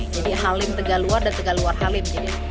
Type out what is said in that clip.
jadi halim tegak luar dan tegak luar halim